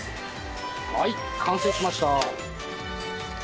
はい完成しました。